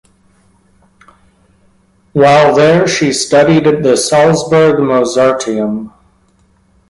While there, she studied at the Salzburg Mozarteum.